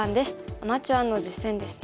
アマチュアの実戦ですね。